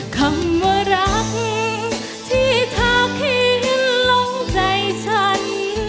คำว่ารักที่เธอทิ้งลงใจฉัน